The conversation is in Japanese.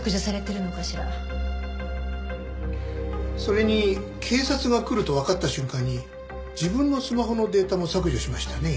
それに警察が来るとわかった瞬間に自分のスマホのデータも削除しましたよね？